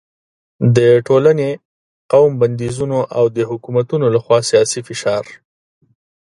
د ټولنې، قوم بندیزونه او د حکومتونو له خوا سیاسي فشار